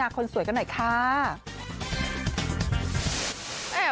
แล้วมันได้ไหมเอ๋ย